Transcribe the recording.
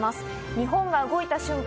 『日本が動いた瞬間